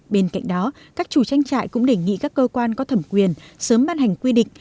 bên cạnh đó các chủ trang trại cũng đề nghị các cơ quan có thẩm quyền sớm ban hành quy định